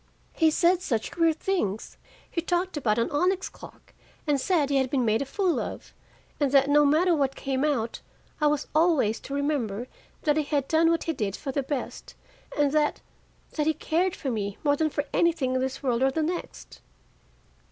He said such queer things: he talked about an onyx clock, and said he had been made a fool of, and that no matter what came out, I was always to remember that he had done what he did for the best, and that that he cared for me more than for anything in this world or the next."